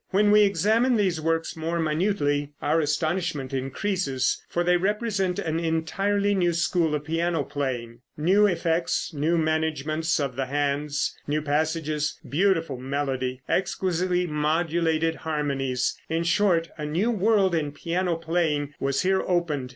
When we examine these works more minutely, our astonishment increases, for they represent an entirely new school of piano playing. New effects, new management of the hands, new passages, beautiful melody, exquisitely modulated harmonies in short, a new world in piano playing was here opened.